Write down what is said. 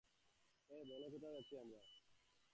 হেই, বলো তো কোথায় যাচ্ছি আমরা?